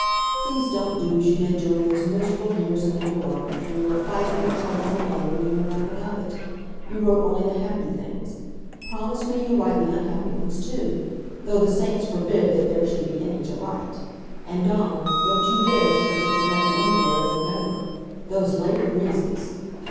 Please don't do as you did during those miserable years in New York, when you were fighting your troubles alone and we knew nothing of it. You wrote only the happy things. Promise me you'll write the unhappy ones too though the saints forbid that there should be any to write! And Dawn, don't you dare to forget your heavy underwear in November. Those lake breezes!